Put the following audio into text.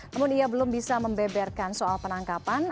namun ia belum bisa membeberkan soal penangkapan